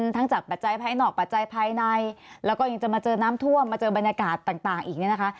จากปัจจัยภายนอกปัจจัยภายในแล้วก็ยังจะมาเจอน้ำท่วมมาเจอบรรยากาศต่างอีกเนี่ยนะคะ